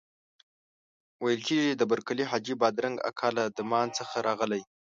ویل کېږي د برکلي حاجي بادرنګ اکا له دمان څخه راغلی.